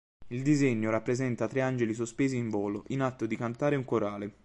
Il disegno rappresenta tre angeli sospesi in volo, in atto di cantare un corale.